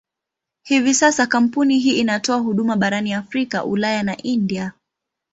Hivi sasa kampuni hii inatoa huduma barani Afrika, Ulaya na India.